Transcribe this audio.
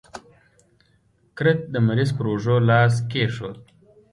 کرت د مریض پر اوږو لاس کېښود.